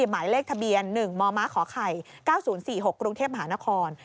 หมายเลขทะเบียน๑มมขไข่๙๐๔๖กรุงเทพมหานคร